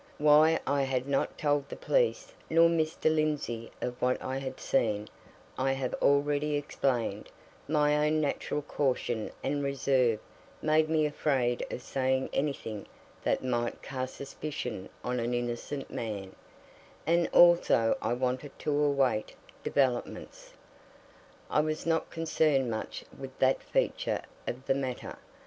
Why I had not told the police nor Mr. Lindsey of what I had seen, I have already explained my own natural caution and reserve made me afraid of saying anything that might cast suspicion on an innocent man; and also I wanted to await developments. I was not concerned much with that feature of the matter.